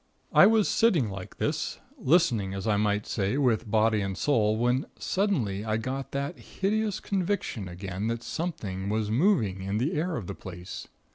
"I was sitting like this, listening, as I might say with body and soul, when suddenly I got that hideous conviction again that something was moving in the air of the place.